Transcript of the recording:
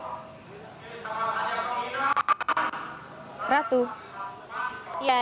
tidak tepat kau tidak berpura pura